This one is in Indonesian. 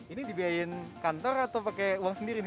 ini dibiayain kantor atau pakai uang sendiri